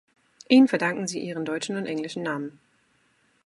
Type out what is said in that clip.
Ihnen verdanken sie ihren deutschen und englischen Namen.